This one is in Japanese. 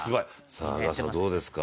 さあ阿川さんどうですか？